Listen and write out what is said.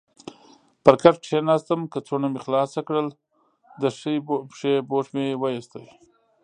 پر کټ کېناستم، کڅوړه مې خلاصه کړل، د ښۍ پښې بوټ مې وایست.